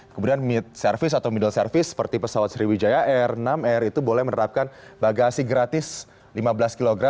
kemudian mid service atau middle service seperti pesawat sriwijaya air enam r itu boleh menerapkan bagasi gratis lima belas kg